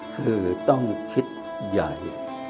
คือต้องคิดใหญ่